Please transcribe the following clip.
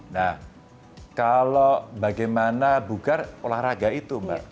nah kalau bagaimana bugar olahraga itu mbak